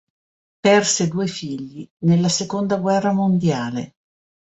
Perse due figli nella seconda guerra mondiale.